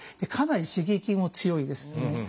かなり刺激も強いですね。